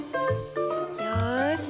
よし！